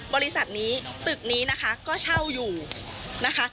บริษัทนี้ตึกนี้นะคะก็เช่าอยู่นะคะ